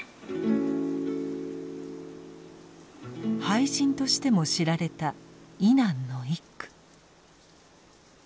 俳人としても知られた以南の一句。